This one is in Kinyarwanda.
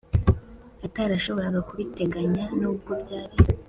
atarashoboraga kubiteganya nubwo byari